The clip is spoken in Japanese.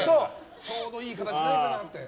ちょうどいい形ないかなって。